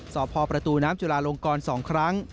สอบพอประตูน้ำจุลาลงกร๒ครั้ง